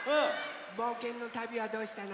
ぼうけんのたびはどうしたの？